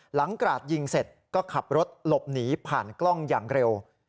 กราดยิงเสร็จก็ขับรถหลบหนีผ่านกล้องอย่างเร็ว